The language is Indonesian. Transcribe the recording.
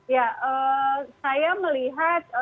ya saya melihat